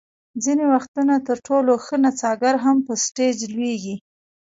ځینې وختونه تر ټولو ښه نڅاګر هم په سټېج لویږي.